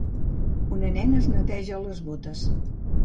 Una nena es neteja les botes.